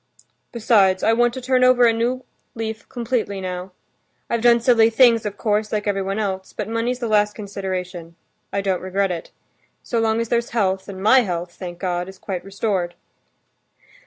"Besides, I want to turn over a new leaf completely now. I've done silly things, of course, like everyone else, but money's the last consideration; I don't regret it. So long as there's health, and my health, thank God, is quite restored."